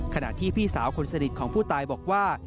ขณะที่พี่สาวคนสนิทของผู้ตายบอกว่า